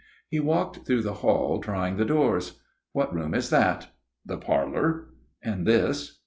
He walked through the hall, trying the doors. "What room is that?" "The parlor." "And this?"